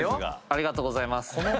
ありがとうございます。